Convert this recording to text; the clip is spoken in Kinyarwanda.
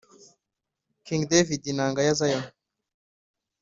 king david inanga ya zion